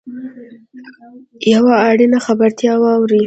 یوه اړینه خبرتیا واورﺉ .